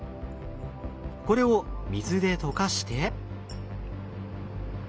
これを水で溶かして。